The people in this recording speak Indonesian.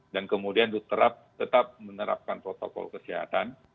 dan kemudian tetap menerapkan protokol kesehatan